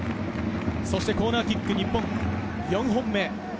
コーナーキック日本４本目。